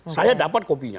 saya dapat kopinya